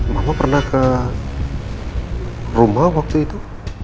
mama pernah ke rumah waktu itu